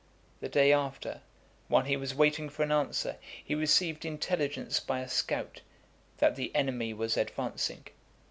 The day after, while he was waiting for an answer, he received intelligence by a scout, that the enemy was advancing.